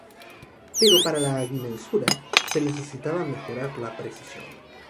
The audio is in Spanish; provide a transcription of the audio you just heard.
Pero para la agrimensura se necesitaba mejorar la precisión.